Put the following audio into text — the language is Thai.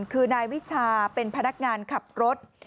คือนายวิชาเป็นพนักงานขับรถ